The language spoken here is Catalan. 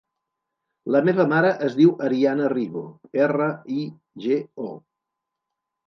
La meva mare es diu Ariana Rigo: erra, i, ge, o.